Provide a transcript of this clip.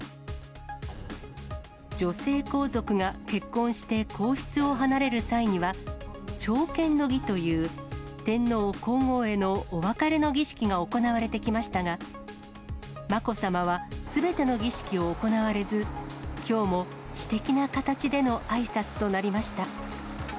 女性皇族が結婚して皇室を離れる際には、朝見の儀という、天皇皇后へのお別れの儀式が行われてきましたが、まこさまは、すべての儀式を行われず、きょうも私的な形でのあいさつとなりました。